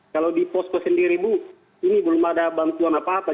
kalau di posko sendiri bu ini belum ada bantuan apa apa